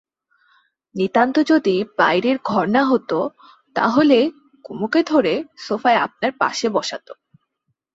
নিতান্ত যদি বাইরের ঘর না হত তা হলে কুমুকে ধরে সোফায় আপনার পাশে বসাত।